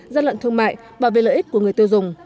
gian lận thương mại và về lợi ích của người tiêu dùng